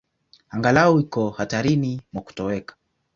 Angalau iko hatarini mwa kutoweka.